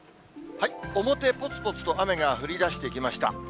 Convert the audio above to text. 表、ぽつぽつと雨が降りだしてきました。